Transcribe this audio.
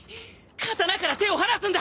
刀から手を離すんだ！